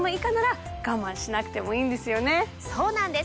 そうなんです！